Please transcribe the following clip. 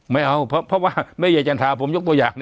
ไม่เอาเพราะว่าแม่ยายจันทราผมยกตัวอย่าง